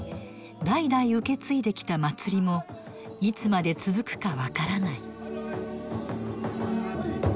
代々受け継いできた祭りもいつまで続くか分からない。